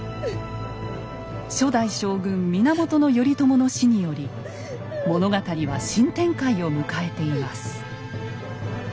初代将軍源頼朝の死により物語は新展開を迎えています。